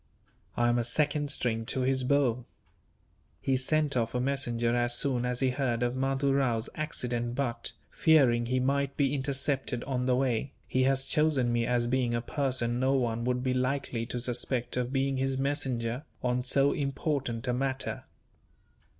"I am a second string to his bow. He sent off a messenger as soon as he heard of Mahdoo Rao's accident but, fearing he might be intercepted on the way, he has chosen me as being a person no one would be likely to suspect of being his messenger, on so important a matter."